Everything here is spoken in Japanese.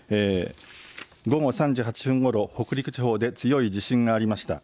午後３時８分ごろ北陸地方で強い地震がありました。